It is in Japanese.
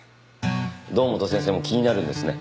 堂本先生も気になるんですね。